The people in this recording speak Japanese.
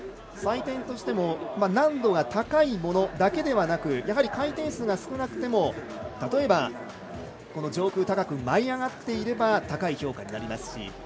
採点としても難度が高いものだけではなく回転数が少なくても例えば上空高く舞い上がっていれば高い評価になりますし。